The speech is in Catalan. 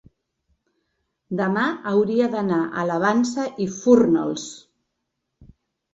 demà hauria d'anar a la Vansa i Fórnols.